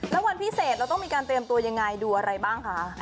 แล้ววันพิเศษเราต้องมีการเตรียมตัวยังไงดูอะไรบ้างคะ